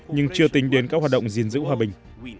nhưng chưa tính đến các hoạt động gìn giữ hòa bình